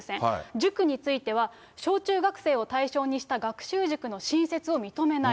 塾については、小中学生を対象にした学習塾の新設を認めない。